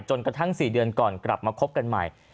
กระทั่ง๔เดือนก่อนกลับมาคบกันใหม่